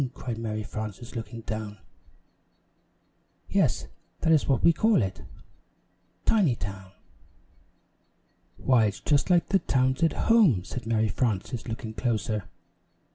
cried Mary Frances, looking down. "Yes, that is what we call it Tinytown." "Why, it's just like the towns at home," said Mary Frances, looking closer.